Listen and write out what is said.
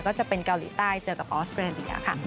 ก็จะเป็นเกาหลีใต้เจอกับออสเตรเลียค่ะ